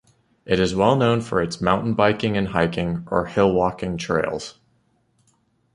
It is well known for its mountain biking and hiking or hillwalking trails.